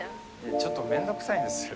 ちょっとめんどくさいんですよ。